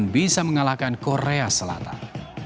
bisa mengalahkan korea selatan